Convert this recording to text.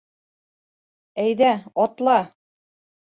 Әйҙә, атла!